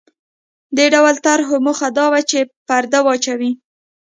د دې ډول طرحو موخه دا وه چې پرده واچوي.